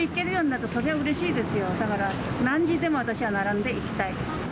だから何時でも私は並んで行きたい。